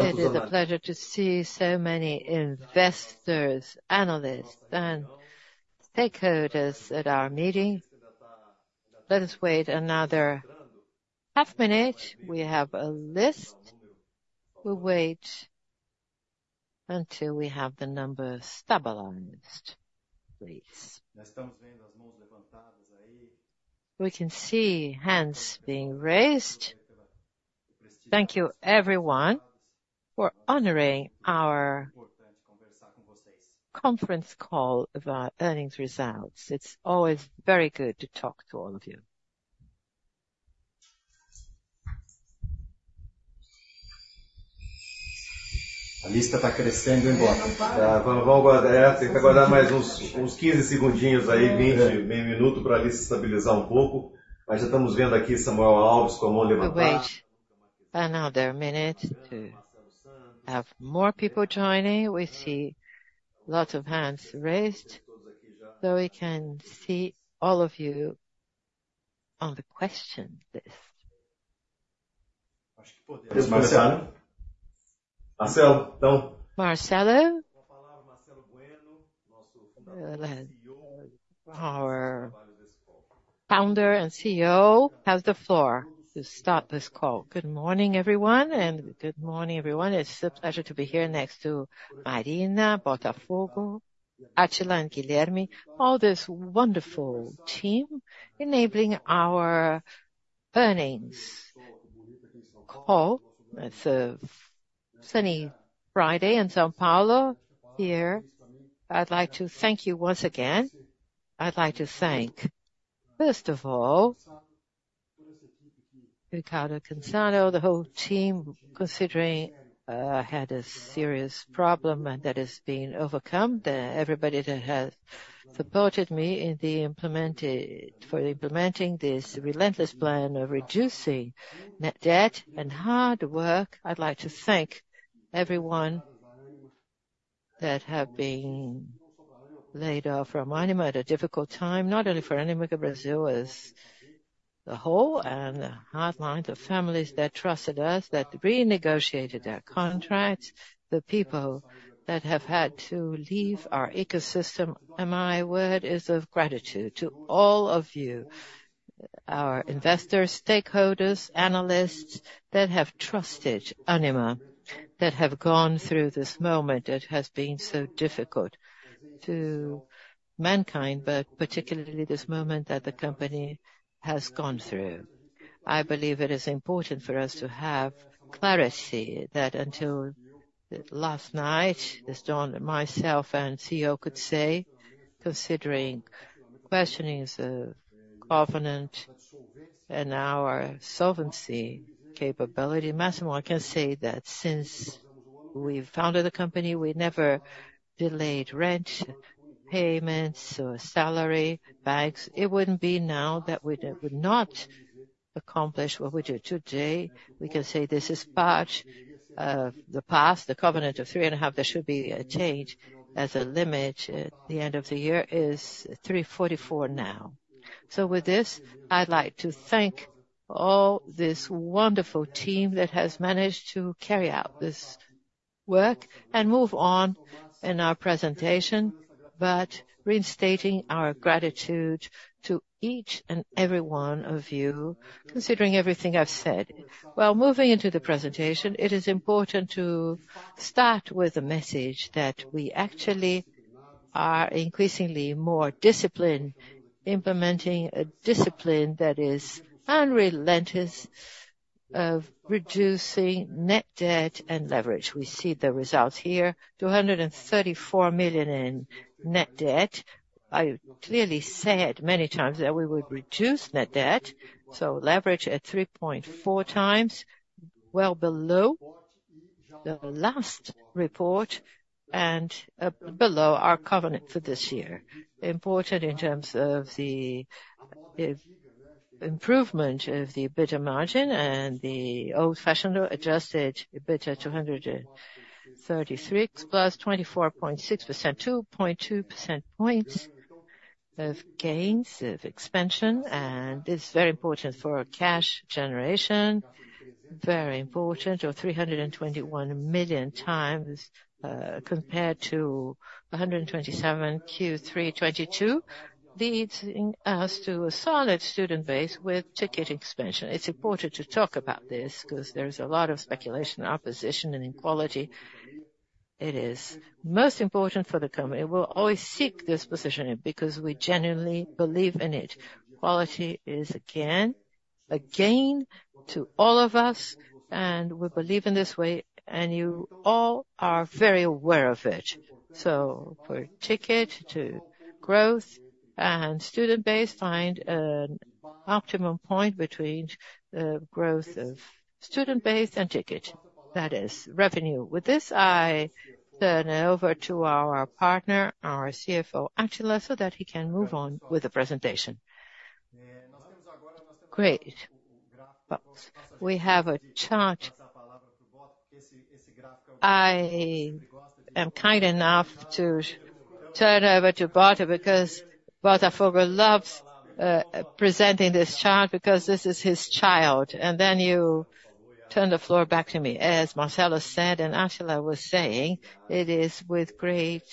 It is a pleasure to see so many investors, analysts, and stakeholders at our meeting. Let us wait another half minute. We have a list. We'll wait until we have the numbers stabilized, please. We can see hands being raised. Thank you, everyone, for honoring our conference call of our earnings results. It's always very good to talk to all of you. We'll wait another minute to have more people joining. We see lots of hands raised, so we can see all of you on the question list. Marcelo? Our founder and CEO has the floor to start this call. Good morning, everyone, and good morning, everyone. It's a pleasure to be here next to Marina, Botafogo, Átila and Guilherme, all this wonderful team, enabling our earnings call. It's a sunny Friday in São Paulo here. I'd like to thank you once again. I'd like to thank, first of all, Ricardo Cançado, the whole team, considering, had a serious problem and that has been overcome. Everybody that has supported me in the for implementing this relentless plan of reducing net debt and hard work. I'd like to thank everyone that have been laid off from Ânima at a difficult time, not only for Ânima Brazil as a whole and the hard line to families that trusted us, that renegotiated their contracts, the people that have had to leave our ecosystem. My word is of gratitude to all of you, our investors, stakeholders, analysts that have trusted Ânima, that have gone through this moment that has been so difficult to mankind, but particularly this moment that the company has gone through. I believe it is important for us to have clarity that until last night, this dawn, myself and CEO could say, considering questioning is a covenant and our solvency capability. Massimo, I can say that since we founded the company, we never delayed rent, payments or salary bags. It wouldn't be now that we, we would not accomplish what we do today. We can say this is part of the past, the covenant of 3.5. There should be a change as a limit at the end of the year is 3.44 now. So with this, I'd like to thank all this wonderful team that has managed to carry out this work and move on in our presentation, but reinstating our gratitude to each and every one of you, considering everything I've said. Well, moving into the presentation, it is important to start with a message that we actually are increasingly more disciplined, implementing a discipline that is unrelenting of reducing net debt and leverage. We see the results here, 234 million in net debt. I clearly said many times that we would reduce net debt, so leverage at 3.4x, well below the last report and, below our covenant for this year. Important in terms of the, the improvement of the EBITDA margin and the old-fashioned adjusted EBITDA, 236 + 24.6%, 2.2 percentage points of gains, of expansion, and it's very important for our cash generation. Very important, or 321 million times, compared to 127 Q3 2022. Leads us to a solid student base with ticket expansion. It's important to talk about this because there's a lot of speculation, opposition, and inequality. It is most important for the company. We'll always seek this positioning because we genuinely believe in it. Quality is again, a gain to all of us, and we believe in this way, and you all are very aware of it. So for ticket to growth and student base, find an optimum point between the growth of student base and ticket. That is revenue. With this, I turn it over to our partner, our CFO, Átila, so that he can move on with the presentation. Great. But we have a chart. Turn over to Walter, because Botafogo loves presenting this chart because this is his child. And then you turn the floor back to me. As Marcelo said, and actually I was saying, it is with great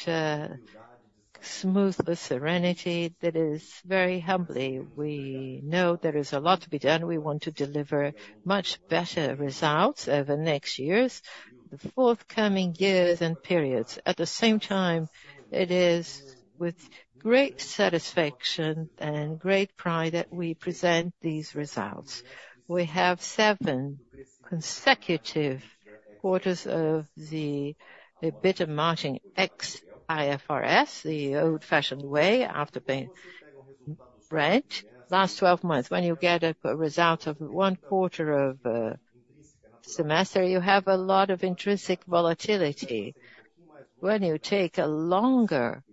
smooth, with serenity, that is very humbly, we know there is a lot to be done. We want to deliver much better results over the next years, the forthcoming years and periods. At the same time, it is with great satisfaction and great pride that we present these results. We have seven consecutive quarters of the EBITDA margin ex IFRS, the old-fashioned way, after being read. Last twelve months, when you get a result of one quarter of semester, you have a lot of intrinsic volatility. When you take a longer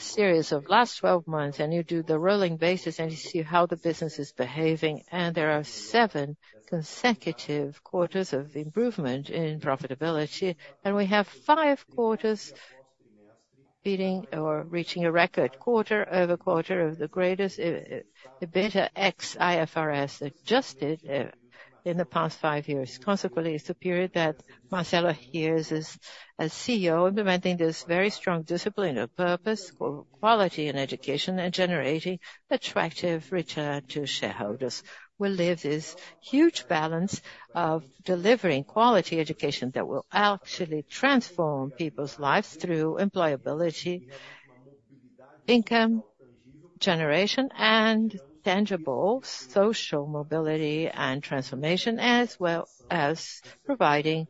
series of last twelve months, and you do the rolling basis, and you see how the business is behaving, and there are seven consecutive quarters of improvement in profitability. We have five quarters beating or reaching a record quarter-over-quarter of the greatest EBITDA ex IFRS adjusted in the past five years. Consequently, it's the period that Marcelo here as CEO implementing this very strong discipline of purpose for quality and education, and generating attractive return to shareholders. We live this huge balance of delivering quality education that will actually transform people's lives through employability, income generation, and tangible social mobility and transformation, as well as providing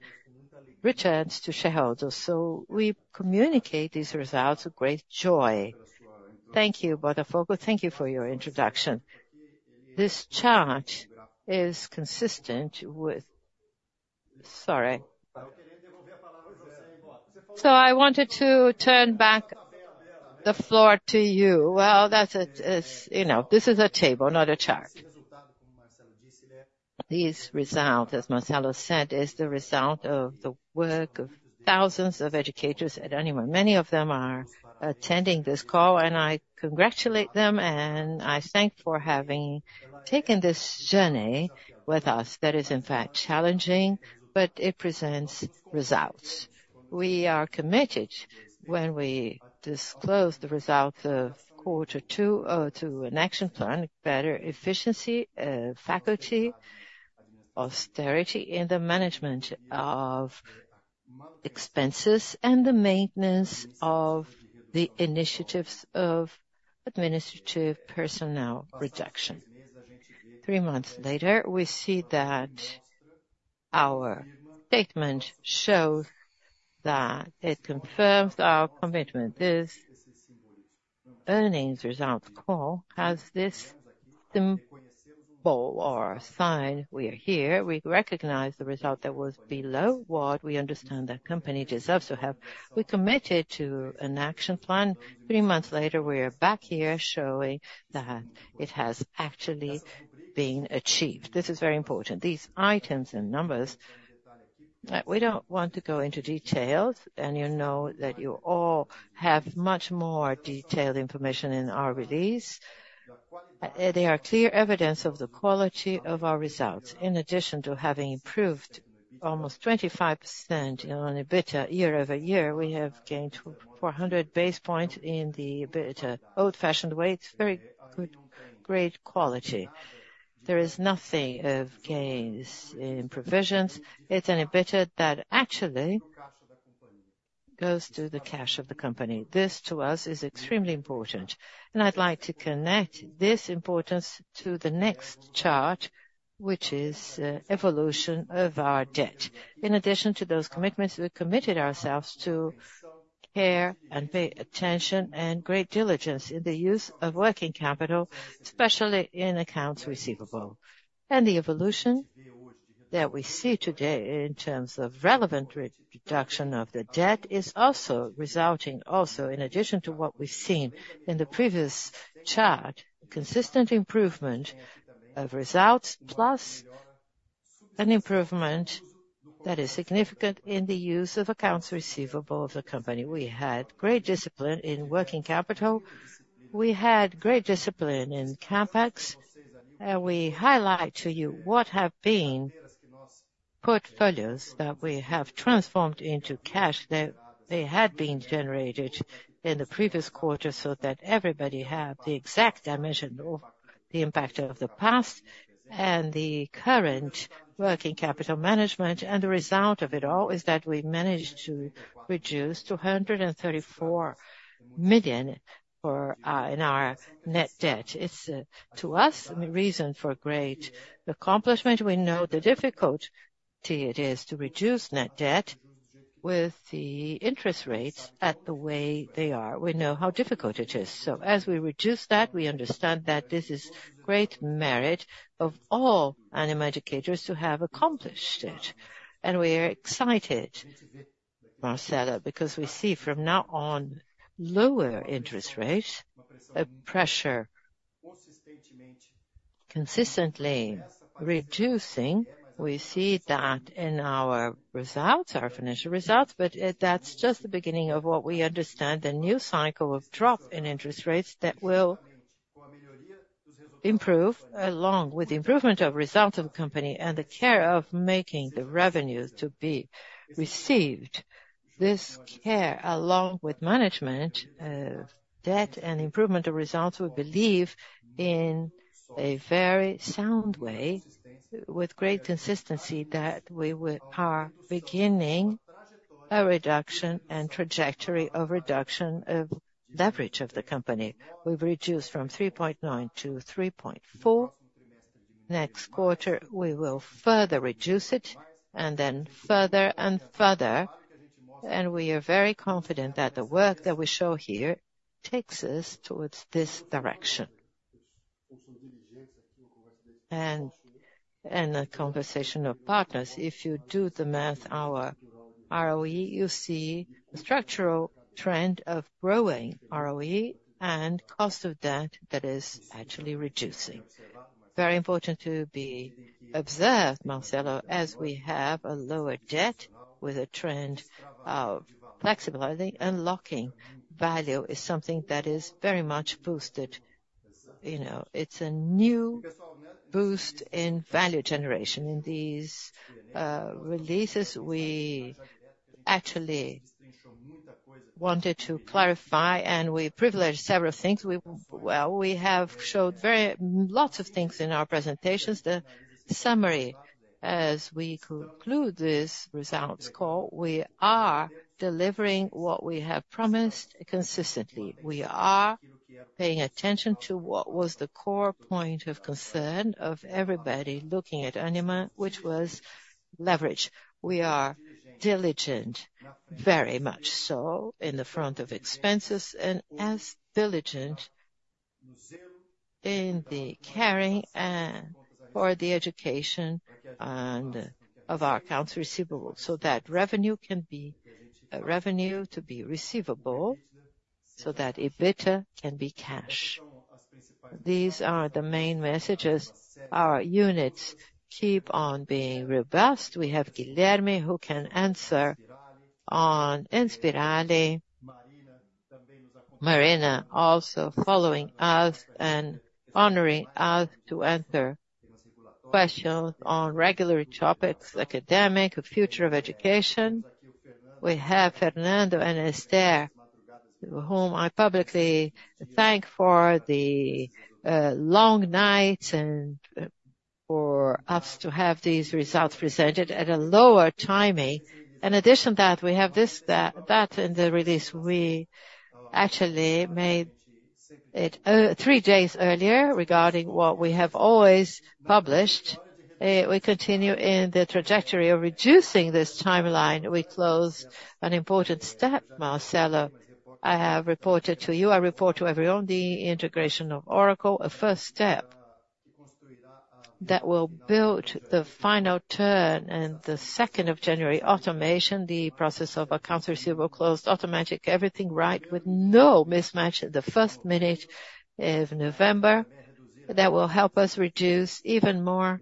returns to shareholders. We communicate these results with great joy. Thank you, Botafogo. Thank you for your introduction. This chart is consistent with—Sorry. So I wanted to turn back the floor to you. Well, that's it. It's, you know, this is a table, not a chart. These results, as Marcelo said, is the result of the work of thousands of educators at Ânima. Many of them are attending this call, and I congratulate them, and I thank for having taken this journey with us. That is, in fact, challenging, but it presents results. We are committed when we disclose the result of quarter two, to an action plan, better efficiency, faculty, austerity in the management of expenses, and the maintenance of the initiatives of administrative personnel reduction. Three months later, we see that our statement shows that it confirms our commitment. This earnings results call has this symbol or sign. We are here. We recognize the result that was below what we understand the company deserves to have. We're committed to an action plan. Three months later, we are back here showing that it has actually been achieved. This is very important. These items and numbers, we don't want to go into details, and you know that you all have much more detailed information in our release. They are clear evidence of the quality of our results. In addition to having improved almost 25% on EBITDA year-over-year, we have gained 400 base points in the EBITDA. Old-fashioned way, it's very good, great quality. There is nothing of gains in provisions. It's an EBITDA that actually goes to the cash of the company. This, to us, is extremely important, and I'd like to connect this importance to the next chart, which is, evolution of our debt. In addition to those commitments, we've committed ourselves to care and pay attention and great diligence in the use of working capital, especially in accounts receivable. The evolution that we see today in terms of relevant reduction of the debt is also resulting, also, in addition to what we've seen in the previous chart, consistent improvement of results, plus an improvement that is significant in the use of accounts receivable of the company. We had great discipline in working capital. We had great discipline in CapEx, and we highlight to you what have been portfolios that we have transformed into cash, that they had been generated in the previous quarter, so that everybody had the exact dimension of the impact of the past and the current working capital management. The result of it all is that we managed to reduce 234 million for in our net debt. It's to us a reason for great accomplishment. We know the difficulty it is to reduce net debt with the interest rates at the way they are. We know how difficult it is. So as we reduce that, we understand that this is great merit of all Ânima educators who have accomplished it. And we are excited, Marcelo, because we see from now on, lower interest rates, consistently reducing. We see that in our results, our financial results, but that's just the beginning of what we understand, the new cycle of drop in interest rates that will improve along with the improvement of results of the company and the care of making the revenue to be received. This care, along with management, of debt and improvement of results, we believe in a very sound way, with great consistency, that we are beginning a reduction and trajectory of reduction of leverage of the company. We've reduced from 3.9-3.4. Next quarter, we will further reduce it, and then further and further, and we are very confident that the work that we show here takes us towards this direction. And a conversation of partners, if you do the math, our ROE, you see a structural trend of growing ROE and cost of debt that is actually reducing. Very important to be observed, Marcelo, as we have a lower debt with a trend of flexibility. Unlocking value is something that is very much boosted. You know, it's a new boost in value generation. In these releases, we actually wanted to clarify, and we privileged several things. Well, we have showed very lots of things in our presentations. The summary, as we conclude this results call, we are delivering what we have promised consistently. We are paying attention to what was the core point of concern of everybody looking at Ânima, which was leverage. We are diligent, very much so, in the front of expenses and as diligent in the caring for the education and of our accounts receivable, so that revenue can be a revenue to be receivable, so that EBITDA can be cash. These are the main messages. Our units keep on being robust. We have Guilherme, who can answer on Inspirali. Marina also following us and honoring us to answer questions on regular topics, academic, the future of education. We have Fernando and Esther, whom I publicly thank for the long nights and for us to have these results presented at a lower timing. In addition to that, we have this, that, that in the release, we actually made it 3 days earlier regarding what we have always published. We continue in the trajectory of reducing this timeline. We closed an important step, Marcelo. I have reported to you, I report to everyone, the integration of Oracle, a first step that will build the final turn and the second of January automation, the process of accounts receivable closed, automatic, everything right, with no mismatch at the first minute of November. That will help us reduce even more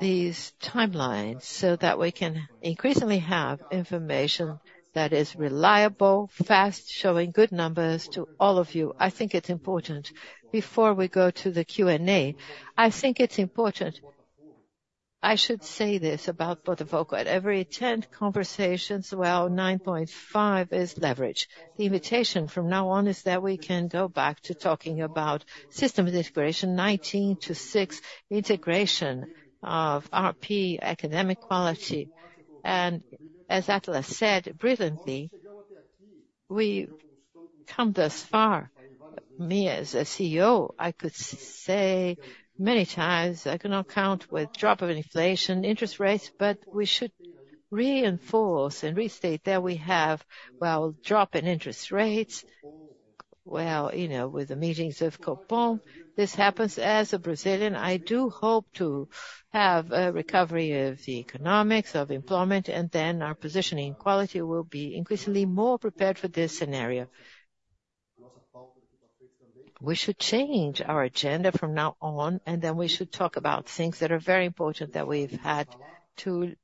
these timelines, so that we can increasingly have information that is reliable, fast, showing good numbers to all of you. I think it's important. Before we go to the Q&A, I think it's important—I should say this about Botafogo. At every tenth conversations, well, 9.5 is leverage. The invitation from now on is that we can go back to talking about system integration, 2019-2026, integration of ERP, academic quality. As Átila said brilliantly, we've come this far. Me, as a CEO, I could say many times, I cannot count with drop of inflation, interest rates, but we should reinforce and restate that we have, well, drop in interest rates. Well, you know, with the meetings of Copom, this happens. As a Brazilian, I do hope to have a recovery of the economics, of employment, and then our positioning quality will be increasingly more prepared for this scenario. We should change our agenda from now on, and then we should talk about things that are very important that we've had to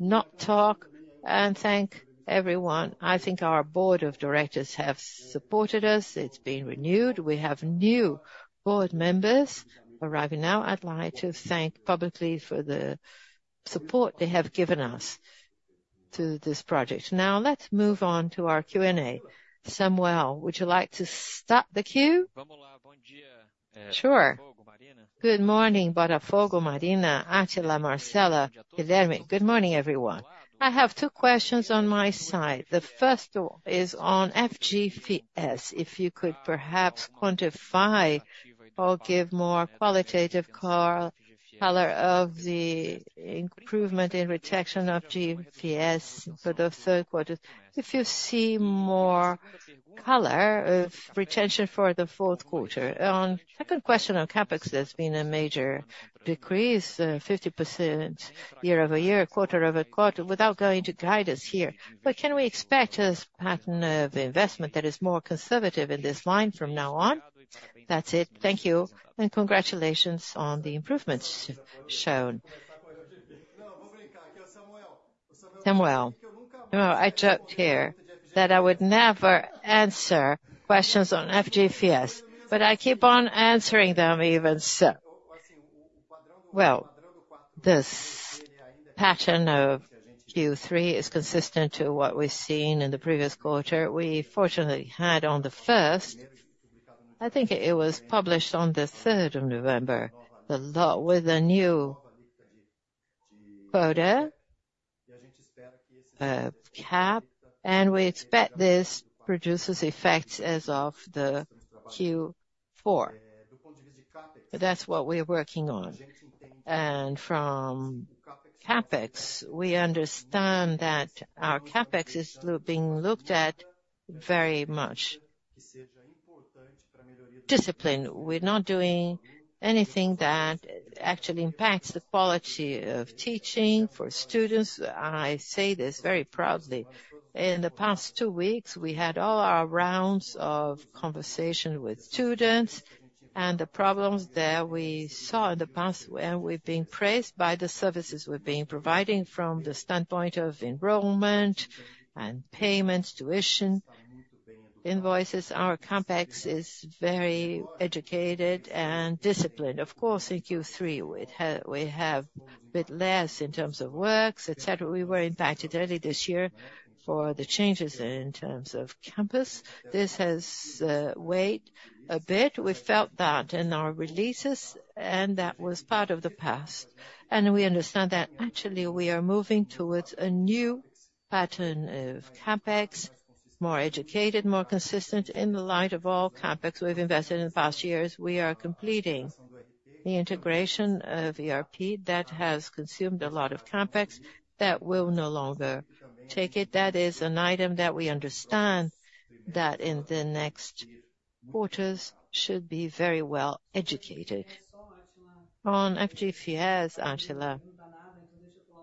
not talk and thank everyone. I think our board of directors have supported us. It's been renewed. We have new board members arriving now. I'd like to thank publicly for the support they have given us to this project. Now, let's move on to our Q&A. Samuel, would you like to start the queue? Sure. Good morning, Botafogo, Marina, Átila, Marcelo, Guilherme. Good morning, everyone. I have two questions on my side. The first one is on FG-Fies. If you could perhaps quantify or give more qualitative color of the improvement in retention of FG-Fies for the third quarter. If you see more color of retention for the fourth quarter. The second question on CapEx, there's been a major decrease, 50% year-over-year, quarter-over-quarter, without going to guide us here. But can we expect a pattern of investment that is more conservative in this line from now on? That's it. Thank you, and congratulations on the improvements shown. Samuel. No, I joked here that I would never answer questions on FGFES, but I keep on answering them even so. Well, this pattern of Q3 is consistent to what we've seen in the previous quarter. We fortunately had on the first, I think it was published on the third of November, the law with a new quota, cap, and we expect this produces effects as of the Q4. But that's what we're working on. And from CapEx, we understand that our CapEx is being looked at very much. Discipline, we're not doing anything that actually impacts the quality of teaching for students. I say this very proudly. In the past two weeks, we had all our rounds of conversation with students, and the problems that we saw in the past, and we've been praised by the services we've been providing from the standpoint of enrollment and payments, tuition, invoices. Our CapEx is very educated and disciplined. Of course, in Q3, we'd we have a bit less in terms of works, et cetera. We were impacted early this year for the changes in terms of campus. This has weighed a bit. We felt that in our releases, and that was part of the past. We understand that actually, we are moving towards a new pattern of CapEx, more educated, more consistent. In the light of all CapEx we've invested in the past years, we are completing the integration of ERP that has consumed a lot of CapEx that will no longer take it. That is an item that we understand that in the next quarters should be very well educated. On FGFES, Atila,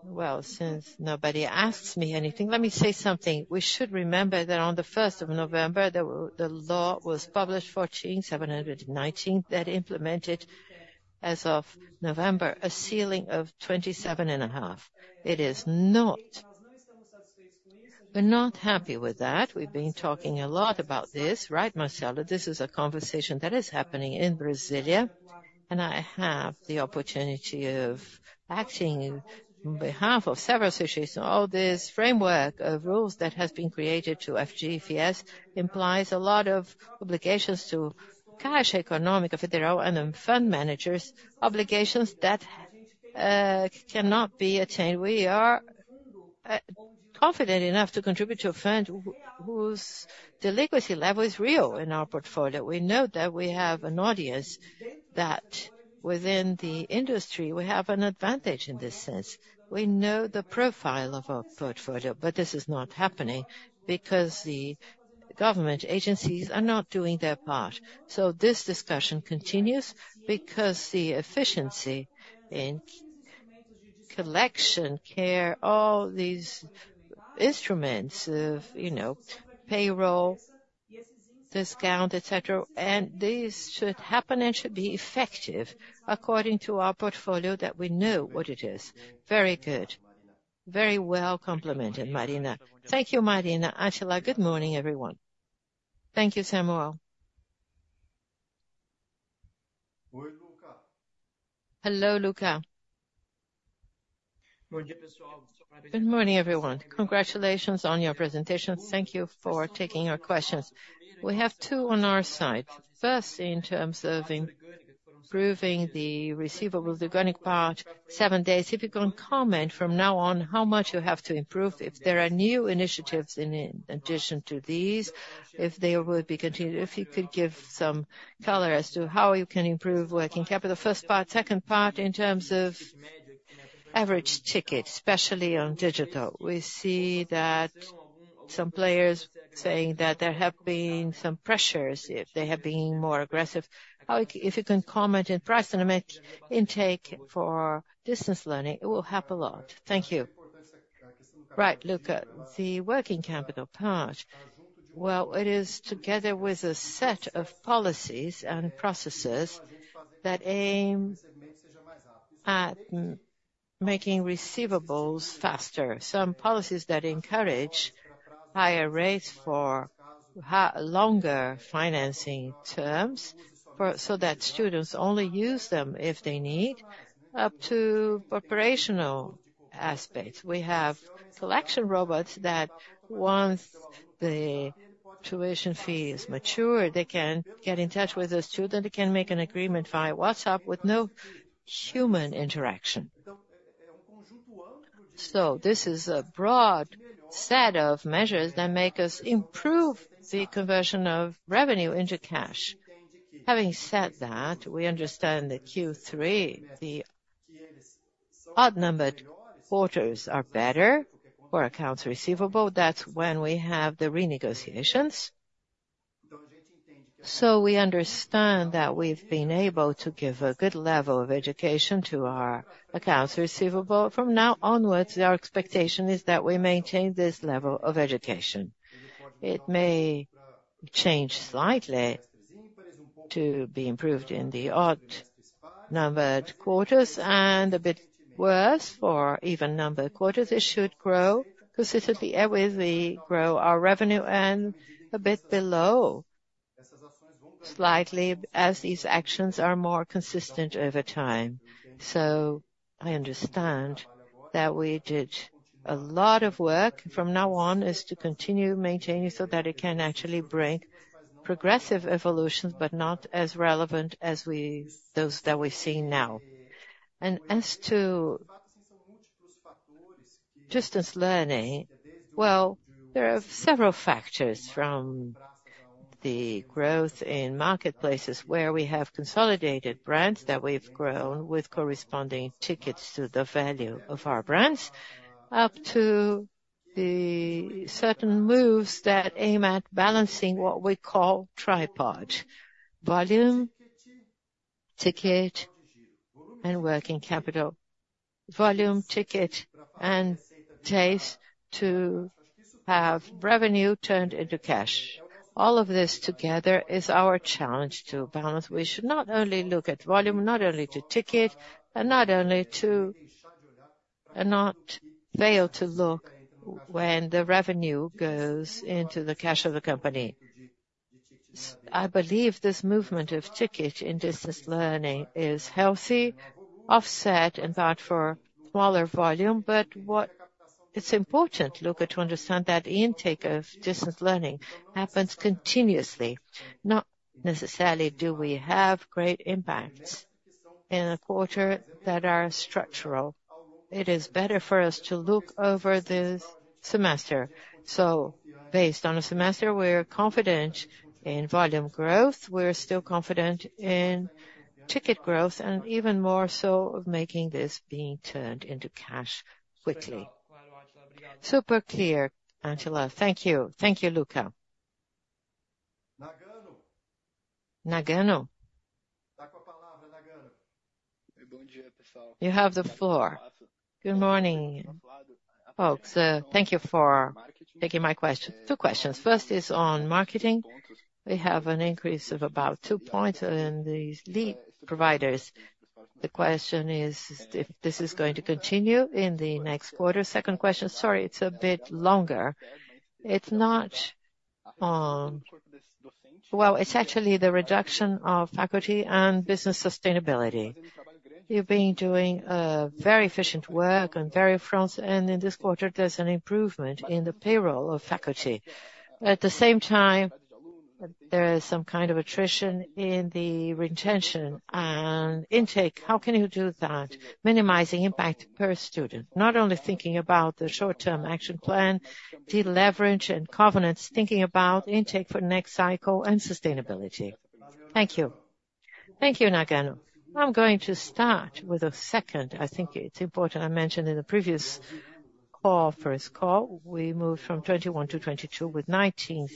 well, since nobody asks me anything, let me say something. We should remember that on the first of November, the law was published, 14.719, that implemented, as of November, a ceiling of 27.5. It is not. We're not happy with that. We've been talking a lot about this, right, Marcelo? This is a conversation that is happening in Brasília, and I have the opportunity of acting on behalf of several associations. All this framework of rules that has been created to FGFES implies a lot of obligations to Caixa Econômica Federal and then fund managers, obligations that cannot be attained. We are confident enough to contribute to a fund whose delinquency level is real in our portfolio. We know that we have an audience that within the industry, we have an advantage in this sense. We know the profile of our portfolio, but this is not happening because the government agencies are not doing their part. So this discussion continues because the efficiency in collection, care, all these instruments of, you know, payroll, discount, et cetera, and these should happen and should be effective according to our portfolio that we know what it is. Very good. Very well complimented, Marina. Thank you, Marina. Atila, good morning, everyone. Thank you, Samuel. Hello, Luca. Hello, Luca. Good morning, everyone. Congratulations on your presentation. Thank you for taking our questions. We have two on our side. First, in terms of improving the receivables, the growing part, seven days, if you can comment from now on, how much you have to improve, if there are new initiatives in addition to these, if they will be continued, if you could give some color as to how you can improve working capital, the first part. Second part, in terms of average ticket, especially on digital, we see that some players saying that there have been some pressures, if they have been more aggressive. How... If you can comment in price and intake for distance learning, it will help a lot. Thank you. Right, Luca. The working capital part, well, it is together with a set of policies and processes that aim at making receivables faster. Some policies that encourage higher rates for longer financing terms so that students only use them if they need, up to operational aspects. We have collection robots that once the tuition fee is mature, they can get in touch with the student, they can make an agreement via WhatsApp with no human interaction. So this is a broad set of measures that make us improve the conversion of revenue into cash. Having said that, we understand that Q3, the odd-numbered quarters are better for accounts receivable. That's when we have the renegotiations. So we understand that we've been able to give a good level of education to our accounts receivable. From now onwards, our expectation is that we maintain this level of education. It may change slightly to be improved in the odd numbered quarters and a bit worse for even numbered quarters. It should grow consistently as we grow our revenue and a bit below, slightly, as these actions are more consistent over time. So I understand that we did a lot of work. From now on, is to continue maintaining it so that it can actually bring progressive evolutions, but not as relevant as we, those that we're seeing now. And as to distance learning, well, there are several factors from the growth in marketplaces where we have consolidated brands that we've grown with corresponding tickets to the value of our brands, up to the certain moves that aim at balancing what we call tripod: volume, ticket, and working capital. Volume, ticket, and takes to have revenue turned into cash. All of this together is our challenge to balance. We should not only look at volume, not only to ticket, and not only to—and not fail to look when the revenue goes into the cash of the company. I believe this movement of ticket in distance learning is healthy, offset, in part, for smaller volume. But it's important, Luca, to understand that the intake of distance learning happens continuously. Not necessarily, do we have great impacts in a quarter that are structural. It is better for us to look over this semester. So based on a semester, we're confident in volume growth, we're still confident in ticket growth, and even more so of making this being turned into cash quickly. Super clear, Atila. Thank you. Thank you, Luca. Nagano? Nagano. You have the floor. Good morning, folks. Thank you for taking my question. Two questions. First is on marketing. We have an increase of about 2 points in these lead providers. The question is, if this is going to continue in the next quarter? Second question, sorry, it's a bit longer. It's not. Well, it's actually the reduction of faculty and business sustainability. You've been doing very efficient work and various fronts, and in this quarter, there's an improvement in the payroll of faculty. At the same time, there is some kind of attrition in the retention and intake. How can you do that, minimizing impact per student, not only thinking about the short-term action plan, deleverage, and covenants, thinking about intake for the next cycle and sustainability? Thank you. Thank you, Nagano. I'm going to start with the second. I think it's important I mentioned in the previous call, first call, we moved from 21-22, with 19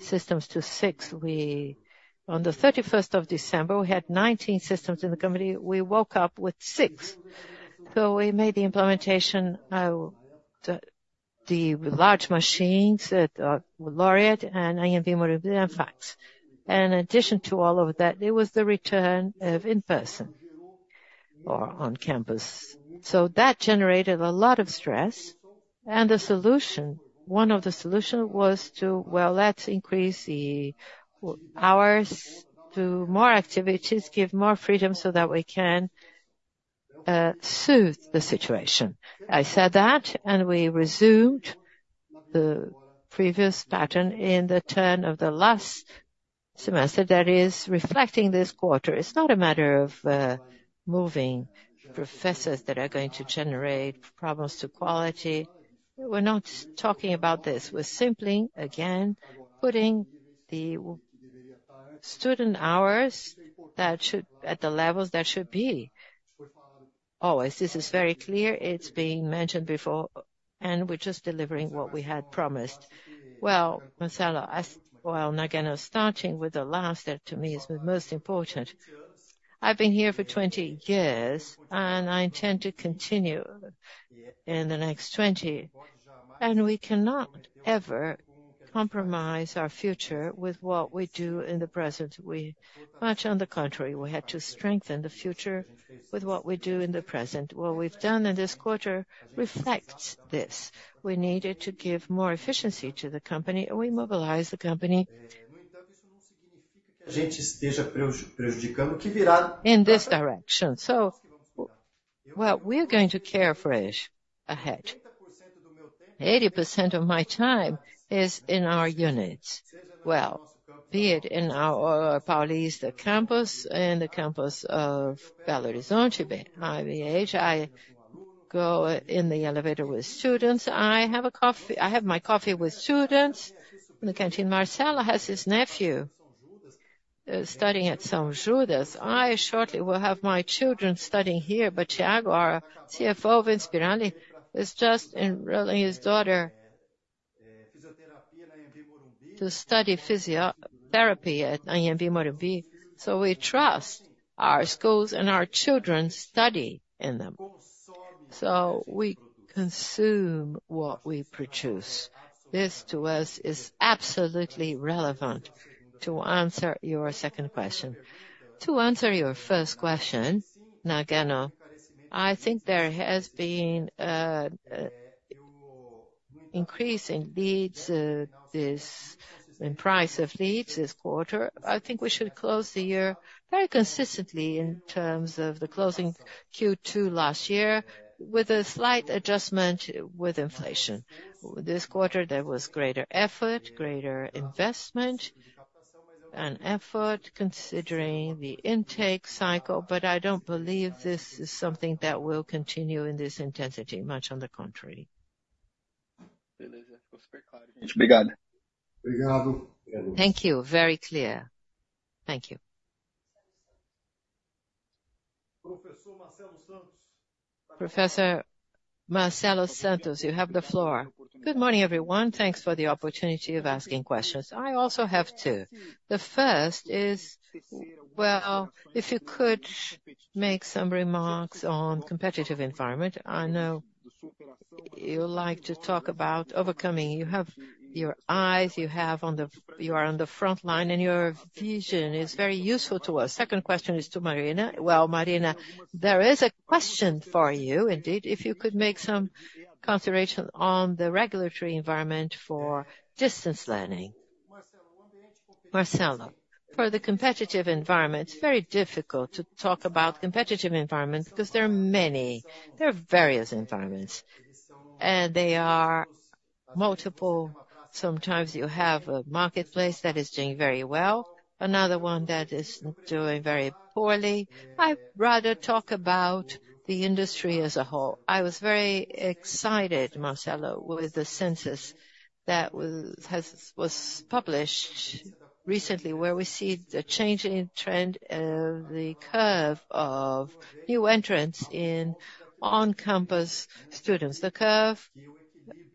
systems to 6. On the 31 of December, we had 19 systems in the company. We woke up with 6. So we made the implementation, the large machines at Laureate and Anhembi Morumbi and Una. And in addition to all of that, there was the return of in-person or on-campus. So that generated a lot of stress and a solution. One of the solution was to, well, let's increase the hours to more activities, give more freedom so that we can soothe the situation. I said that, and we resumed the previous pattern in the turn of the last semester that is reflecting this quarter. It's not a matter of moving professors that are going to generate problems to quality. We're not talking about this. We're simply, again, putting the student hours that should at the levels that should be. Oh, this is very clear. It's been mentioned before, and we're just delivering what we had promised. Well, Marcelo, as well, Nagano, starting with the last, that to me is the most important. I've been here for 20 years, and I intend to continue in the next 20, and we cannot ever compromise our future with what we do in the present. We, much on the contrary, we had to strengthen the future with what we do in the present. What we've done in this quarter reflects this. We needed to give more efficiency to the company, and we mobilized the company in this direction. So, well, we're going to care for it ahead. 80% of my time is in our units. Well, be it in our Paulista campus, in the campus of Belo Horizonte, UniBH. I go in the elevator with students. I have my coffee with students in the canteen. Marcelo has his nephew studying at São Judas. I shortly will have my children studying here, but Thiago, our CFO, Vince Birardi, is just enroll his daughter to study physio therapy at Anhembi Morumbi. So we trust our schools and our children study in them. So we consume what we produce. This to us is absolutely relevant to answer your second question. To answer your first question, Nagano, I think there has been increasing leads in price of leads this quarter. I think we should close the year very consistently in terms of the closing Q2 last year, with a slight adjustment with inflation. This quarter, there was greater effort, greater investment, and effort, considering the intake cycle, but I don't believe this is something that will continue in this intensity, much on the contrary. Thank you. Very clear. Thank you. Professor Marcelo Santos, you have the floor. Good morning, everyone. Thanks for the opportunity of asking questions. I also have two. The first is, well, if you could make some remarks on competitive environment, I know you like to talk about overcoming. You have your eyes, you have on the-- you are on the front line, and your vision is very useful to us. Second question is to Marina. Well, Marina, there is a question for you, indeed, if you could make some consideration on the regulatory environment for distance learning. Marcelo, for the competitive environment, it's very difficult to talk about competitive environment because there are many, there are various environments, and they are multiple. Sometimes you have a marketplace that is doing very well, another one that is doing very poorly. I'd rather talk about the industry as a whole. I was very excited, Marcelo, with the census that was published recently, where we see the change in trend, the curve of new entrants in on-campus students. The curve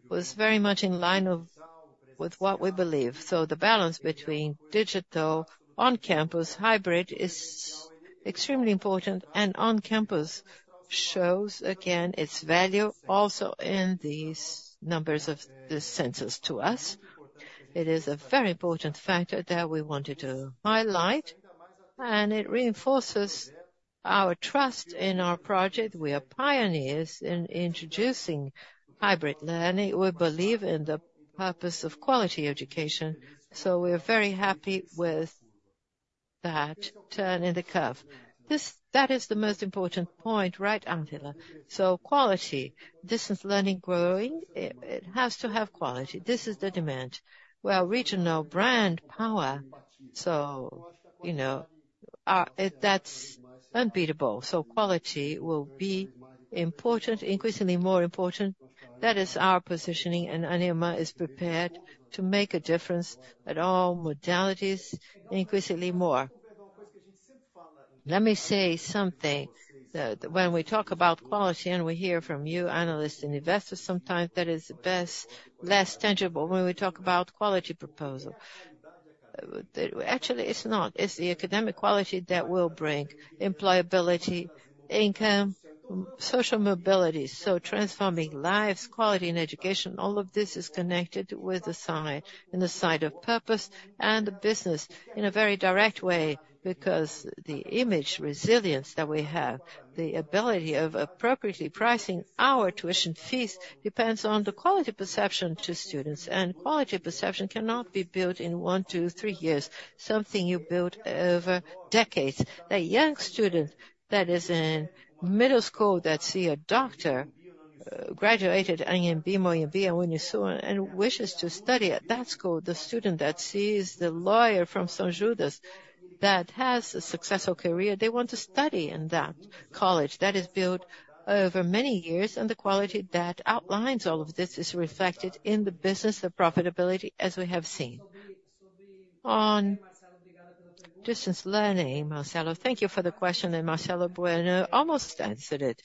was very much in line with what we believe. So the balance between digital, on-campus, hybrid is extremely important, and on-campus shows, again, its value also in these numbers of this census to us. It is a very important factor that we wanted to highlight, and it reinforces our trust in our project. We are pioneers in introducing hybrid learning. We believe in the purpose of quality education, so we're very happy with that turn in the curve. That is the most important point, right, Atila? So quality, distance learning, growing, it has to have quality. This is the demand. Well, regional brand power, so, you know, that's unbeatable. So quality will be important, increasingly more important. That is our positioning, and Ânima is prepared to make a difference at all modalities, increasingly more. Let me say something, that when we talk about quality, and we hear from you, analysts and investors, sometimes that is the best, less tangible when we talk about quality proposal. But actually, it's not. It's the academic quality that will bring employability, income, social mobility, so transforming lives, quality and education, all of this is connected with the side, in the side of purpose and business in a very direct way. Because the image resilience that we have, the ability of appropriately pricing our tuition fees, depends on the quality perception to students, and quality perception cannot be built in 1-3 years, something you build over decades. A young student that is in middle school, that see a doctor, graduated Anhembi Morumbi, and wishes to study at that school, the student that sees the lawyer from São Judas, that has a successful career, they want to study in that college. That is built over many years, and the quality that outlines all of this is reflected in the business of profitability, as we have seen. On distance learning, Marcelo, thank you for the question, and Marcelo Bueno almost answered it.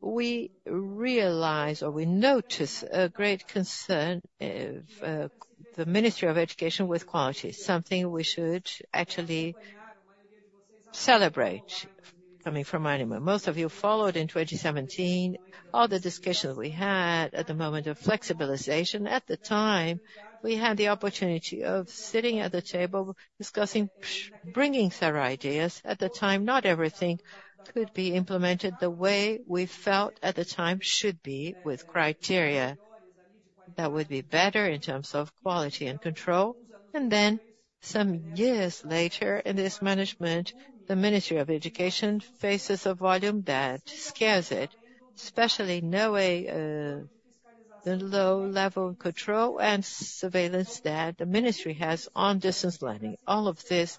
We realize or we notice a great concern, the Ministry of Education with quality, something we should actually celebrate coming from Ânima. Most of you followed in 2017, all the discussions we had at the moment of flexibilization. At the time, we had the opportunity of sitting at the table, discussing, bringing their ideas. At the time, not everything could be implemented the way we felt at the time should be with criteria that would be better in terms of quality and control. And then, some years later, in this management, the Ministry of Education faces a volume that scares it, especially knowing the low level control and surveillance that the ministry has on distance learning. All of this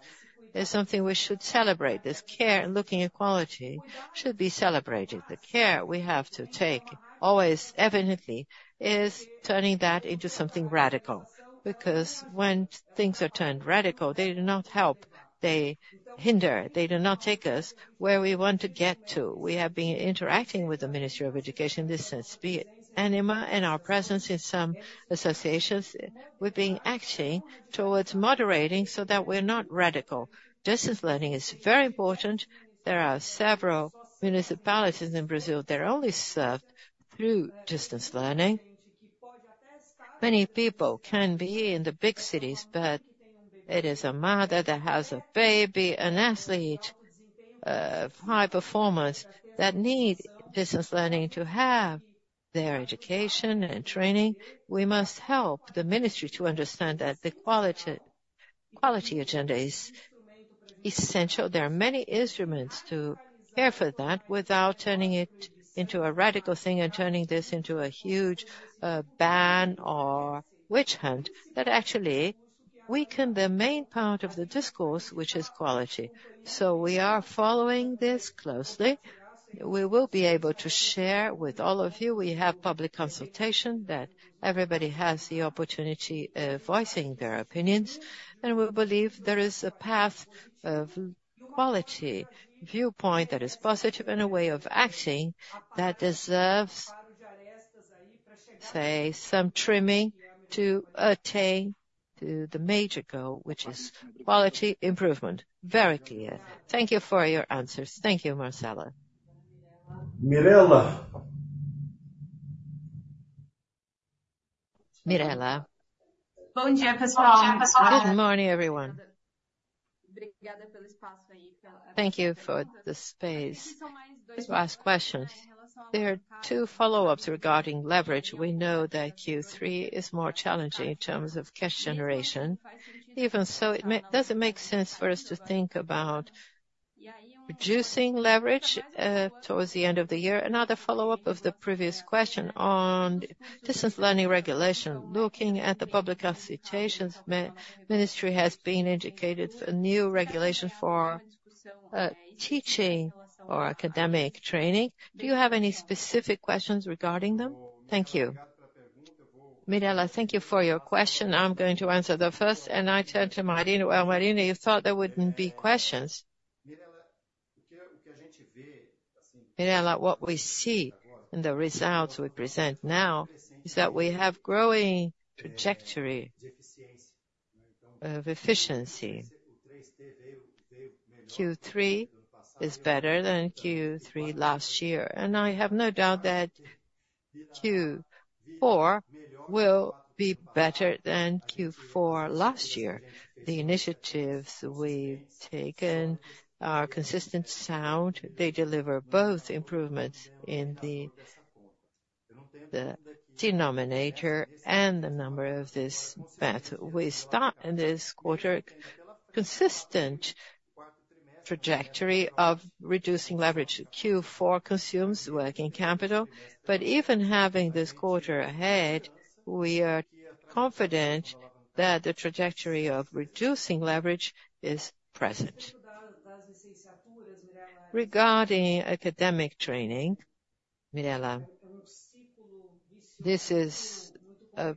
is something we should celebrate. This care and looking at quality should be celebrated. The care we have to take, always, evidently, is turning that into something radical, because when things are turned radical, they do not help, they hinder. They do not take us where we want to get to. We have been interacting with the Ministry of Education in this sense, be it Ânima and our presence in some associations, we've been acting towards moderating so that we're not radical. Distance learning is very important. There are several municipalities in Brazil that are only served through distance learning.... Many people can be in the big cities, but it is a mother that has a baby, an athlete, high performers that need business learning to have their education and training. We must help the ministry to understand that the quality, quality agenda is essential. There are many instruments to care for that without turning it into a radical thing and turning this into a huge, ban or witch hunt, that actually weaken the main part of the discourse, which is quality. So we are following this closely. We will be able to share with all of you. We have public consultation that everybody has the opportunity, voicing their opinions, and we believe there is a path of quality, viewpoint that is positive, and a way of acting that deserves, say, some trimming to attain to the major goal, which is quality improvement. Very clear. Thank you for your answers. Thank you, Marcella. Mirela? Mirela. Good morning, everyone. Thank you for the space to ask questions. There are two follow-ups regarding leverage. We know that Q3 is more challenging in terms of cash generation. Even so, does it make sense for us to think about reducing leverage toward the end of the year? Another follow-up of the previous question on distance learning regulation. Looking at the public consultations, ministry has been indicated for a new regulation for teaching or academic training. Do you have any specific questions regarding them? Thank you. Mirela, thank you for your question. I'm going to answer the first, and I turn to Marina. Marina, you thought there wouldn't be questions. Mirela, what we see in the results we present now is that we have growing trajectory of efficiency. Q3 is better than Q3 last year, and I have no doubt that Q4 will be better than Q4 last year. The initiatives we've taken are consistent, sound. They deliver both improvements in the denominator and the number of this batch. We start in this quarter, consistent trajectory of reducing leverage. Q4 consumes working capital, but even having this quarter ahead, we are confident that the trajectory of reducing leverage is present. Regarding academic training, Mirela, this is a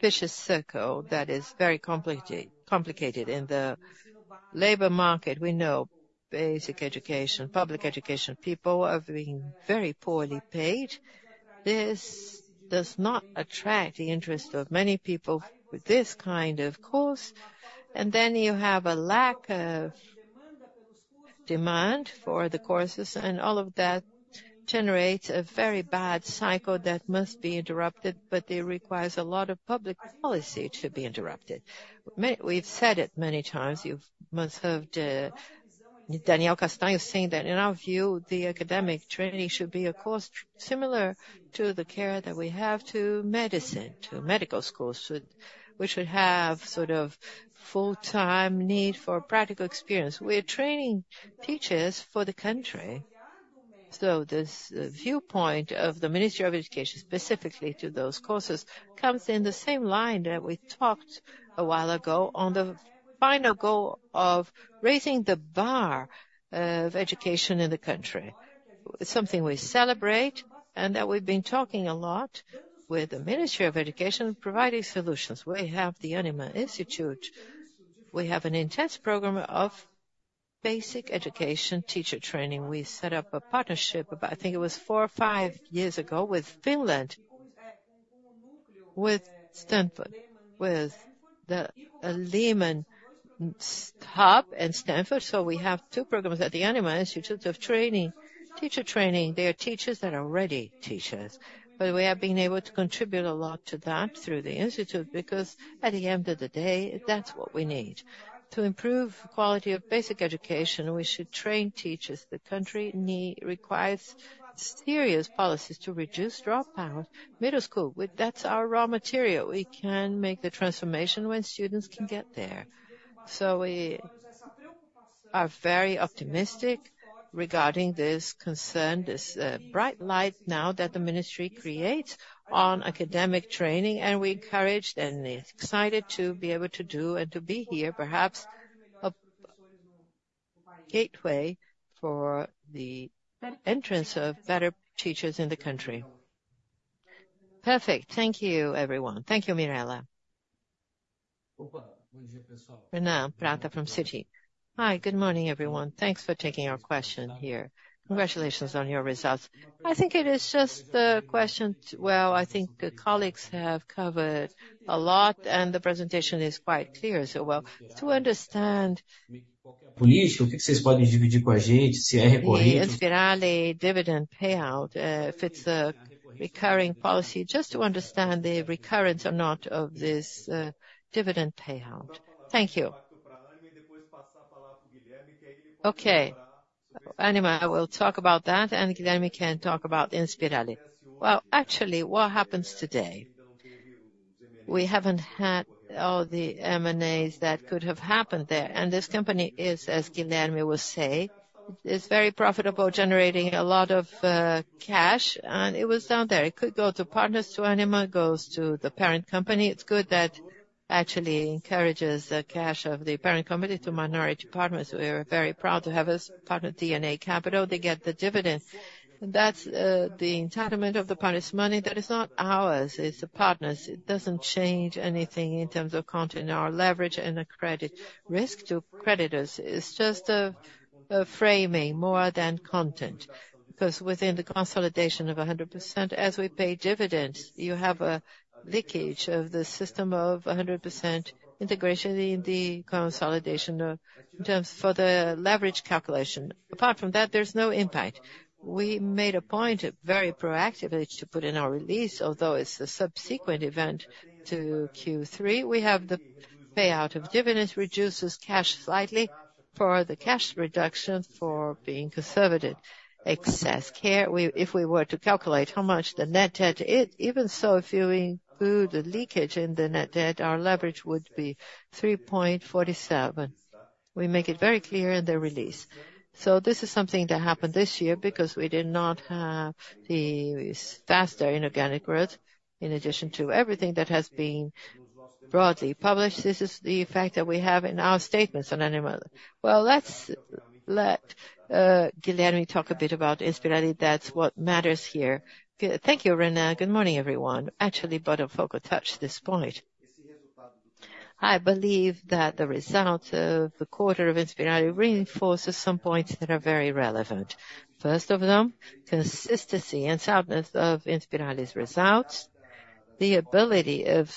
vicious circle that is very complicated. In the labor market, we know basic education, public education, people are being very poorly paid. This does not attract the interest of many people with this kind of course, and then you have a lack of demand for the courses, and all of that generates a very bad cycle that must be interrupted, but it requires a lot of public policy to be interrupted. We've said it many times, you must have heard Daniel Castanho saying that, "In our view, the academic training should be a course similar to the care that we have to medicine, to medical schools, which would have sort of full-time need for practical experience." We're training teachers for the country, so this viewpoint of the Ministry of Education, specifically to those courses, comes in the same line that we talked a while ago on the final goal of raising the bar of education in the country. Something we celebrate and that we've been talking a lot with the Ministry of Education, providing solutions. We have the Ânima Institute. We have an intense program of basic education teacher training. We set up a partnership about, I think it was four or five years ago, with Finland, with Stanford, with the Lemann Hub and Stanford. So we have two programs at the Ânima Institute of Training, teacher training. They are teachers that are already teachers, but we have been able to contribute a lot to that through the institute, because at the end of the day, that's what we need. To improve quality of basic education, we should train teachers. The country requires serious policies to reduce dropouts. Middle school, with that's our raw material. We can make the transformation when students can get there. So we are very optimistic regarding this concern, this bright light now that the ministry creates on academic training, and we're encouraged and excited to be able to do and to be here, perhaps a gateway for the entrance of better teachers in the country. Perfect. Thank you, everyone. Thank you, Mirela. Renan Prata from Citi. Hi, good morning, everyone. Thanks for taking our question here. Congratulations on your results. I think it is just the question. Well, I think the colleagues have covered a lot, and the presentation is quite clear. So well, to understand the Inspirali dividend payout, if it's a recurring policy, just to understand the recurrence or not of this, dividend payout. Thank you... Okay, Ânima will talk about that, and then we can talk about Inspirali. Well, actually, what happens today? We haven't had all the M&As that could have happened there, and this company is, as Guilherme will say, is very profitable, generating a lot of, cash, and it was down there. It could go to partners, to Ânima, goes to the parent company. It's good that actually encourages the cash of the parent company to minority partners. We are very proud to have as partner DNA Capital. They get the dividend. That's the entitlement of the partners' money. That is not ours, it's the partners. It doesn't change anything in terms of content in our leverage and the credit risk to creditors. It's just a framing more than content, because within the consolidation of 100%, as we pay dividends, you have a leakage of the system of 100% integration in the consolidation of terms for the leverage calculation. Apart from that, there's no impact. We made a point, very proactively, to put in our release. Although it's a subsequent event to Q3, we have the payout of dividends, reduces cash slightly for the cash reduction for being conservative. Excess care, we if we were to calculate how much the net debt is, even so, if you include the leakage in the net debt, our leverage would be 3.47. We make it very clear in the release. So this is something that happened this year because we did not have the faster inorganic growth. In addition to everything that has been broadly published, this is the effect that we have in our statements on Ânima. Well, let's let Guilherme talk a bit about Inspirali. That's what matters here. Thank you, Renan. Good morning, everyone. Actually, Botafogo touched this point. I believe that the result of the quarter of Inspirali reinforces some points that are very relevant. First of them, consistency and soundness of Inspirali's results. The ability of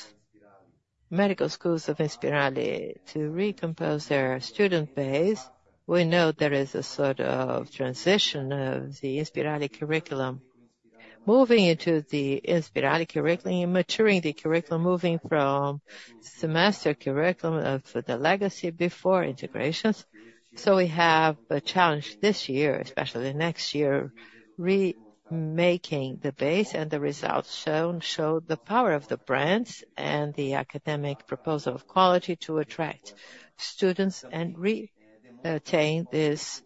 medical schools of Inspirali to recompose their student base. We know there is a sort of transition of the Inspirali curriculum. Moving into the Inspirali curriculum, maturing the curriculum, moving from semester curriculum of the legacy before integrations. So we have a challenge this year, especially next year, re-making the base and the results shown, show the power of the brands and the academic proposal of quality to attract students and re-attain this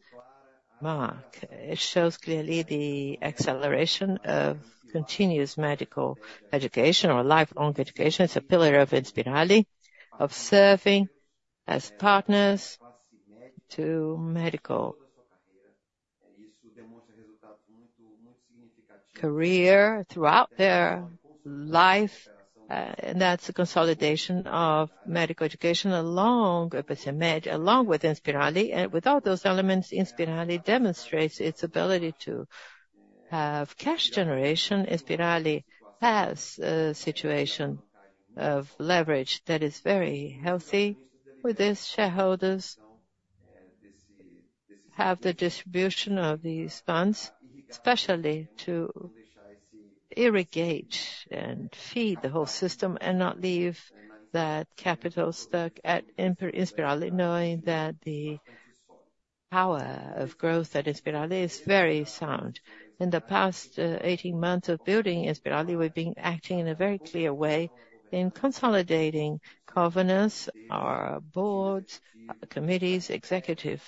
mark. It shows clearly the acceleration of continuous medical education or lifelong education. It's a pillar of Inspirali, of serving as partners to medical career throughout their life, and that's a consolidation of medical education, along Epimed, along with Inspirali. And with all those elements, Inspirali demonstrates its ability to have cash generation. Inspirali has a situation of leverage that is very healthy. With this, shareholders have the distribution of these funds, especially to irrigate and feed the whole system, and not leave that capital stuck at Inspirali, knowing that the power of growth at Inspirali is very sound. In the past, 18 months of building Inspirali, we've been acting in a very clear way in consolidating governance, our boards, committees, executive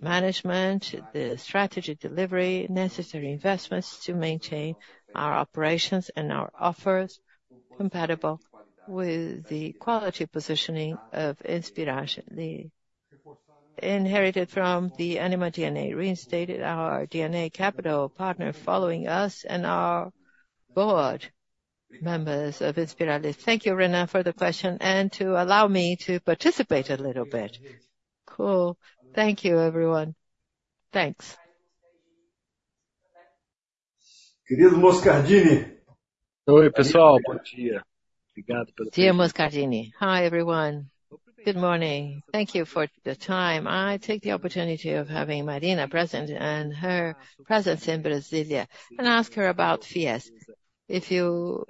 management, the strategy delivery, necessary investments to maintain our operations and our offers compatible with the quality positioning of Inspirali. The inherited from the Ânima DNA, reinstated our DNA Capital partner, following us and our board members of Inspirali. Thank you, Renan, for the question, and to allow me to participate a little bit. Cool. Thank you, everyone. Thanks. Dear Moscardini. Oi, pessoal. Bom dia. Obrigado- Dear Moscardini. Hi, everyone. Good morning. Thank you for the time. I take the opportunity of having Marina present and her presence in Brasília, and ask her about FIES. If you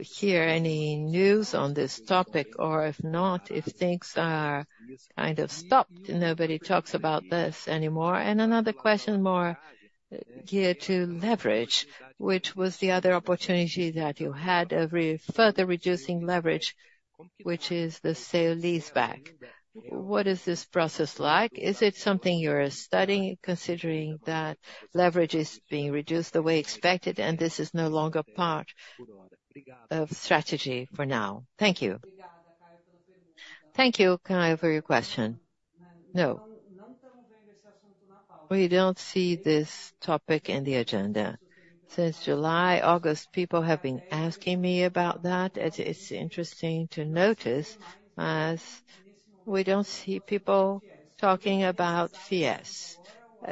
hear any news on this topic or if not, if things are kind of stopped, nobody talks about this anymore. Another question, more geared to leverage, which was the other opportunity that you had every further reducing leverage, which is the sale-leaseback. What is this process like? Is it something you are studying, considering that leverage is being reduced the way expected and this is no longer part of strategy for now? Thank you. Thank you, Caio, for your question. No, we don't see this topic in the agenda. Since July, August, people have been asking me about that. It's interesting to notice, as we don't see people talking about FIES.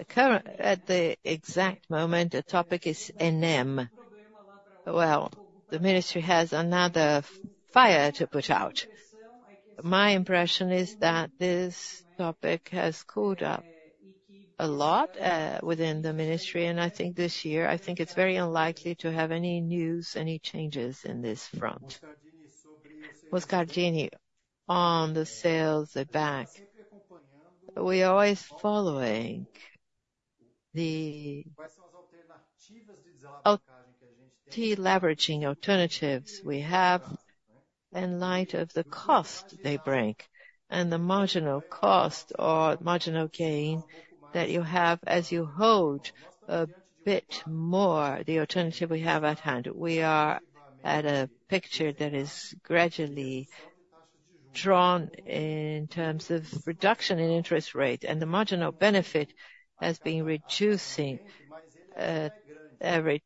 Currently. At the exact moment, the topic is ENEM. Well, the ministry has another fire to put out. My impression is that this topic has cooled up. A lot, within the ministry, and I think this year, I think it's very unlikely to have any news, any changes in this front. Moscardini, on the sale-leaseback, we are always following the deleveraging alternatives we have in light of the cost they bring, and the marginal cost or marginal gain that you have as you hold a bit more the alternative we have at hand. We are at a picture that is gradually drawn in terms of reduction in interest rate, and the marginal benefit has been reducing every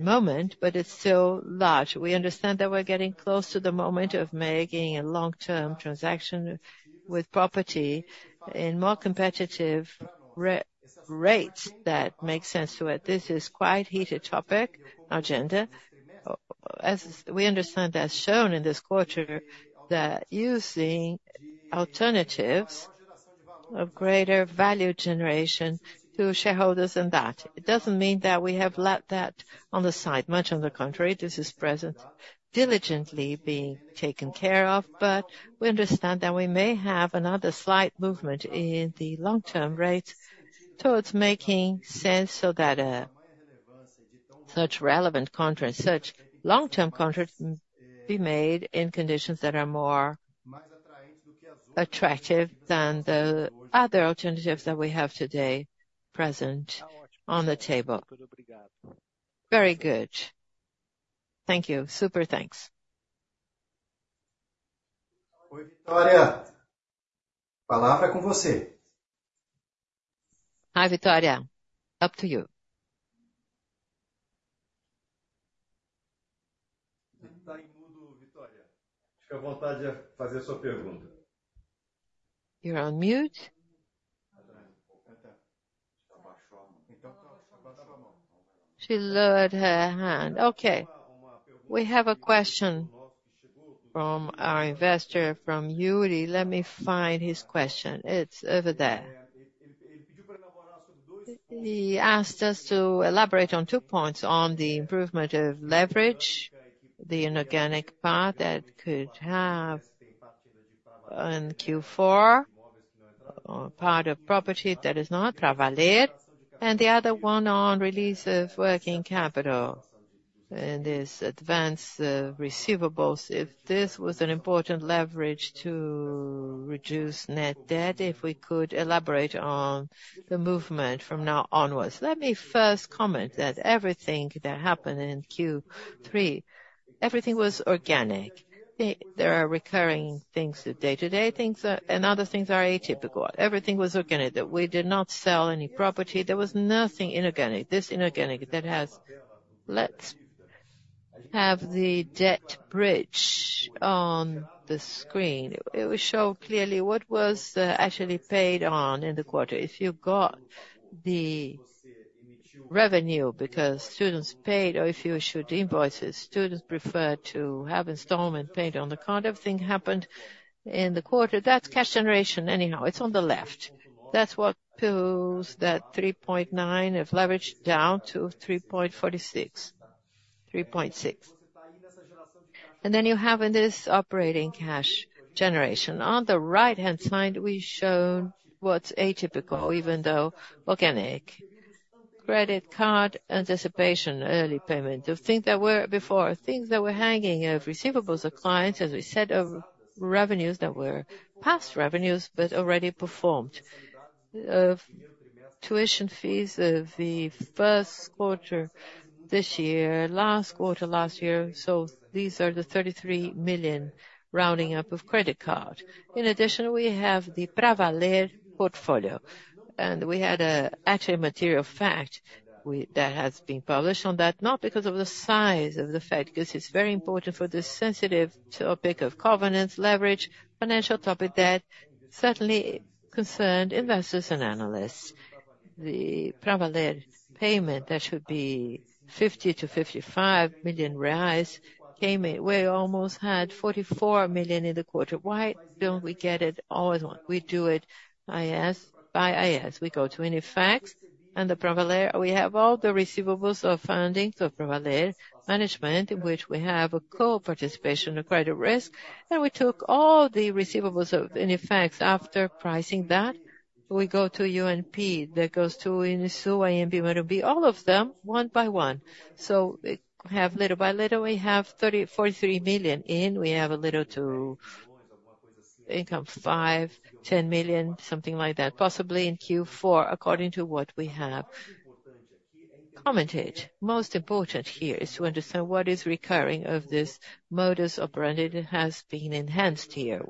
moment, but it's still large. We understand that we're getting close to the moment of making a long-term transaction with property in more competitive rates that make sense to it. This is quite a heated topic, agenda. As we understand, as shown in this quarter, that using alternatives of greater value generation to shareholders and that. It doesn't mean that we have left that on the side. Much on the contrary, this is present, diligently being taken care of, but we understand that we may have another slight movement in the long-term rates towards making sense so that such relevant contracts, such long-term contracts, can be made in conditions that are more attractive than the other alternatives that we have today present on the table. Very good. Thank you. Super, thanks! Hi, Victoria. Up to you. You're on mute. She lowered her hand. Okay. We have a question from our investor, from Yuri. Let me find his question. It's over there. He asked us to elaborate on two points, on the improvement of leverage, the inorganic part that could have in Q4, part of property that is not Pravaler, and the other one on release of working capital, and this advanced, receivables, if this was an important leverage to reduce net debt, if we could elaborate on the movement from now onwards. Let me first comment that everything that happened in Q3, everything was organic. There are recurring things, the day-to-day things, and other things are atypical. Everything was organic. That we did not sell any property. There was nothing inorganic. This inorganic that has. Let's have the debt bridge on the screen. It will show clearly what was, actually paid on in the quarter. If you got the revenue because students paid, or if you issued invoices, students prefer to have installment paid on the account. Everything happened in the quarter. That's cash generation. Anyhow, it's on the left. That's what pulls that 3.9 of leverage down to 3.46, 3.6. And then you have in this operating cash generation. On the right-hand side, we shown what's atypical, even though organic. Credit card, anticipation, early payment, the things that were before, things that were hanging of receivables of clients, as we said, of revenues that were past revenues, but already performed. Of tuition fees of the first quarter this year, last quarter, last year, so these are the 33 million rounding up of credit card. In addition, we have the Pravaler portfolio, and we had, actually, a material fact that has been published on that, not because of the size of the fact, because it's very important for this sensitive topic of covenants, leverage, financial topic debt, certainly concerned investors and analysts. The Pravaler payment, that should be 50 million-55 million reais, came in. We almost had 44 million in the quarter. Why don't we get it all at once? We do it IES, by IES. We go to UniFacs, and the Pravaler, we have all the receivables of funding, so Pravaler management, in which we have a co-participation, a credit risk, and we took all the receivables of UniFacs. After pricing that, we go to UnP, that goes to UniSul, IBMR, MB, all of them, one by one. So we have little by little, we have 43 million in. We have a little to income, 5 million-10 million, something like that, possibly in Q4, according to what we have commented. Most important here is to understand what is recurring of this modus operandi that has been enhanced here.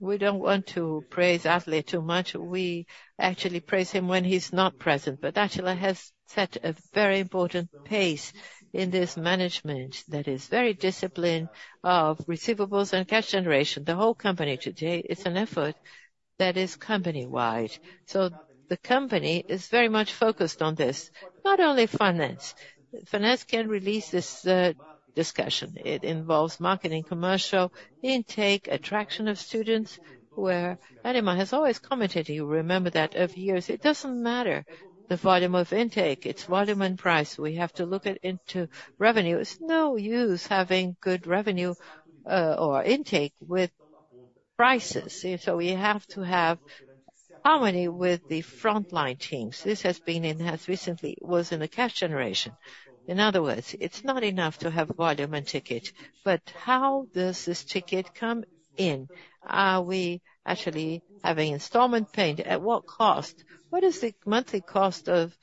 We don't want to praise Átila too much. We actually praise him when he's not present, but Átila has set a very important pace in this management that is very disciplined of receivables and cash generation. The whole company today, it's an effort that is company-wide. So the company is very much focused on this, not only finance. Finance can release this discussion. It involves marketing, commercial, intake, attraction of students, where Ânima has always commented, you remember that over years, it doesn't matter the volume of intake, it's volume and price. We have to look into revenues. It's no use having good revenue or intake with prices. So we have to have harmony with the frontline teams. This has been enhanced recently, was in the cash generation. In other words, it's not enough to have volume and ticket, but how does this ticket come in? Are we actually having installments paid? At what cost? What is the monthly cost of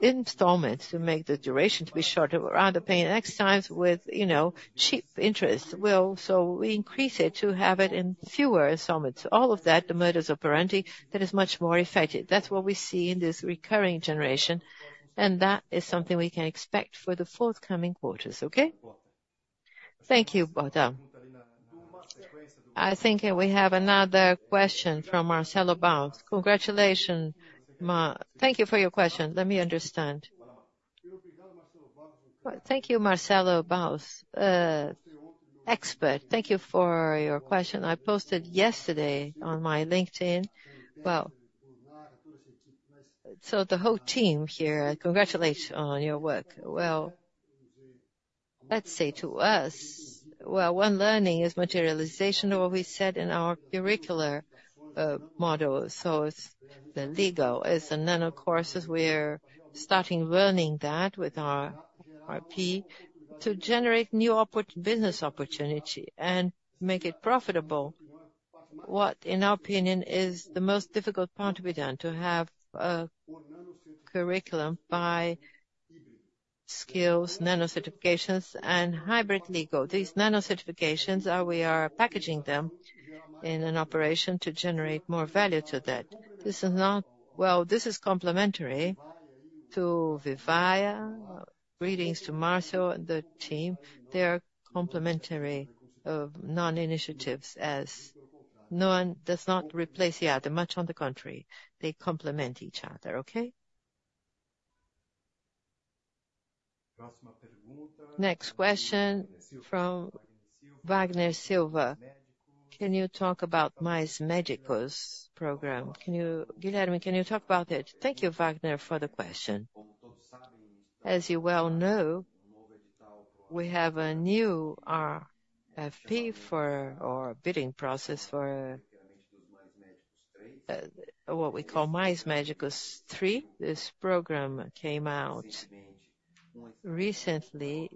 installments to make the duration to be shorter rather paying next times with, you know, cheap interest? Well, so we increase it to have it in fewer summits. All of that, the modus operandi, that is much more effective. That's what we see in this recurring generation, and that is something we can expect for the forthcoming quarters. Okay? Thank you, Botafogo. I think we have another question from Marcelo Bueno. Congratulations, Marcelo – thank you for your question. Let me understand. Thank you, Marcelo Baus, expert. Thank you for your question. I posted yesterday on my LinkedIn. Well, so the whole team here, congratulate you on your work. Well, let's say to us, well, one learning is materialization of what we said in our curricular model. So it's the legal. As and then, of course, as we're starting learning that with our RP to generate new business opportunity and make it profitable. What, in our opinion, is the most difficult part to be done, to have a curriculum by skills, nano-certifications, and hybrid legal. These nano-certifications, we are packaging them in an operation to generate more value to that. This is not— Well, this is complementary to Vivae. Greetings to Marcio and the team. They are complementary non-initiatives, as no one does not replace the other, much on the contrary, they complement each other. Okay? Next question from Wagner Silva. Can you talk about Mais Médicos program? Can you, Guilherme, can you talk about it? Thank you, Wagner, for the question. As you well know, we have a new RFP for our bidding process for what we call Mais Médicos III. This program came out recently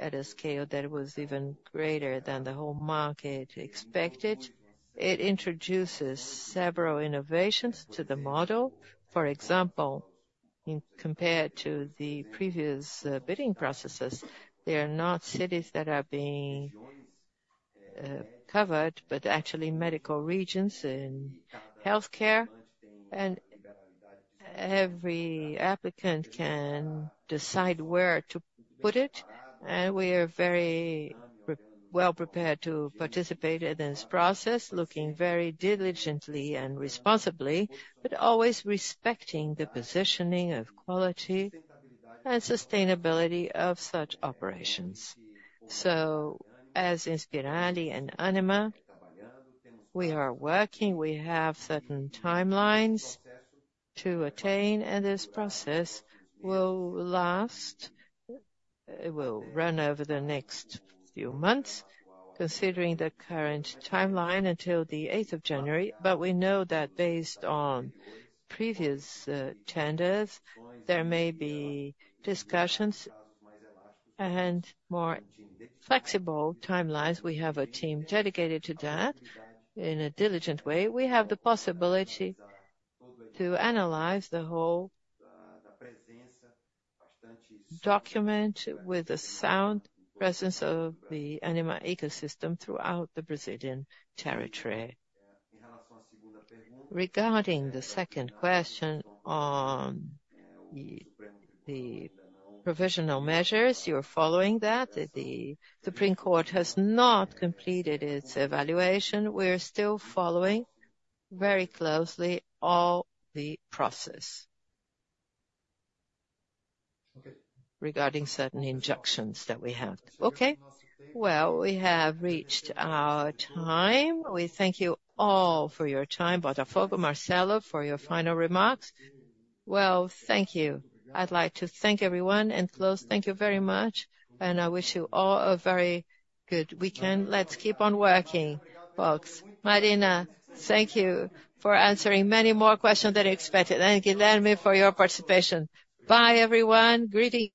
at a scale that was even greater than the whole market expected. It introduces several innovations to the model. For example, in compared to the previous bidding processes, they are not cities that are being covered, but actually medical regions in healthcare, and every applicant can decide where to put it. And we are very well prepared to participate in this process, looking very diligently and responsibly, but always respecting the positioning of quality and sustainability of such operations. So as Inspirali and Ânima, we are working, we have certain timelines to attain, and this process will last. It will run over the next few months, considering the current timeline until the eighth of January. But we know that based on previous tenders, there may be discussions and more flexible timelines. We have a team dedicated to that in a diligent way. We have the possibility to analyze the whole document with the sound presence of the Ânima ecosystem throughout the Brazilian territory. Regarding the second question on the provisional measures, you are following that. The Supreme Court has not completed its evaluation. We're still following very closely all the process. Okay. regarding certain injunctions that we have. Okay, well, we have reached our time. We thank you all for your time. Botafogo, Marcelo, for your final remarks. Well, thank you. I'd like to thank everyone and close. Thank you very much, and I wish you all a very good weekend. Let's keep on working, folks. Marina, thank you for answering many more questions than expected, and Guilherme for your participation. Bye, everyone. Greetings.